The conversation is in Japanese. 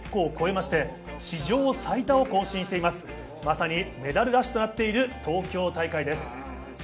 まさにメダルラッシュとなっている、東京大会です。